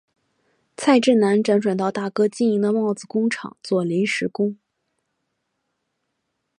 蔡振南辗转到大哥经营的帽子工厂做临时工。